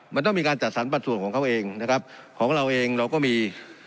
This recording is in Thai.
มันต้องมีการจัดสรรปัดส่วนของเขาเองนะครับของเราเองเราก็มี